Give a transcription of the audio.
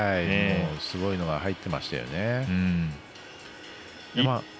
すごいの入ってましたよね。